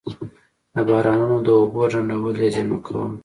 د بارانونو د اوبو ډنډول یا زیرمه کول.